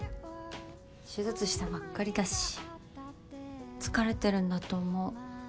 手術したばっかりだし疲れてるんだと思う。